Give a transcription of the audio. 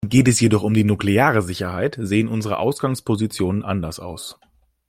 Geht es jedoch um die nukleare Sicherheit, sehen unsere Ausgangspositionen anders aus.